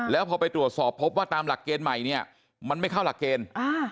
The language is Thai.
แล้วพอไปตรวจสอบพบว่าตามหลักเกณฑ์ใหม่เนี่ยมันไม่เข้าหลักเกณฑ์